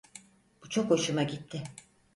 Bu çok hoşuma gitti.